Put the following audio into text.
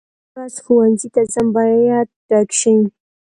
زه هره ورځ ښوونځي ته ځم باید ډک شي.